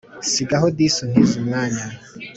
Sigaho disi untize umwanya